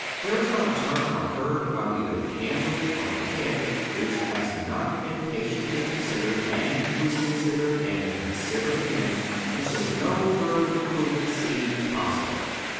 There is not a turn or curve about either the handle or the head which has not been patiently considered, and reconsidered, and considered again, until no further improvement seemed possible.